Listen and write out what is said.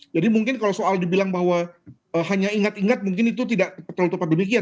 jadi mungkin kalau soal dibilang bahwa hanya ingat ingat mungkin itu tidak tepat tepat demikian